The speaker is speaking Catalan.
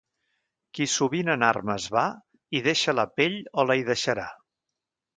Qui sovint en armes va, hi deixa la pell o la hi deixarà.